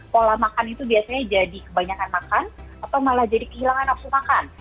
pola makan itu biasanya jadi kebanyakan makan atau malah jadi kehilangan nafsu makan